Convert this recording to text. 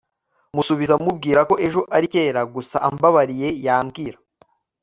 musubiza mubwirako ejo ari cyera gusa ambabariye yambwira